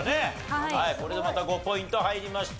これでまた５ポイント入りました。